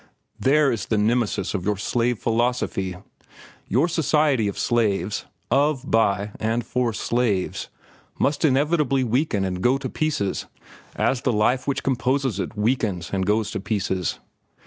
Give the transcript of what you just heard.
There is the Nemesis of your slave philosophy. Your society of slaves—of, by, and for, slaves—must inevitably weaken and go to pieces as the life which composes it weakens and goes to pieces.